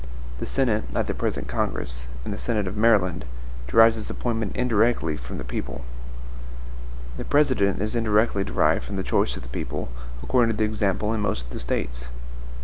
The Senate, like the present Congress, and the Senate of Maryland, derives its appointment indirectly from the people. The President is indirectly derived from the choice of the people, according to the example in most of the States.